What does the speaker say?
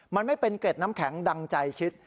มันไม่เป็นเกร็ดน้ำแข็งดังใจคิด